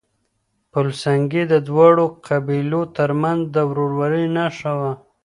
پل سنګي د دواړو قبيلو ترمنځ د ورورۍ نښه وه.